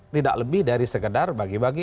tidak lebih dari sekedar bagi bagi